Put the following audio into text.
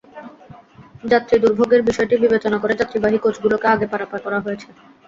যাত্রী দুর্ভোগের বিষয়টি বিবেচনা করে যাত্রীবাহী কোচগুলোকে আগে পারাপার করা হয়েছে।